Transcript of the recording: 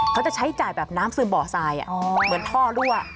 เขาจะใช้จ่ายแบบน้ำซึมบ่อทรายเหมือนท่อรั่ว